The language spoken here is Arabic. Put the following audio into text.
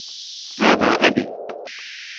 هذا أبي.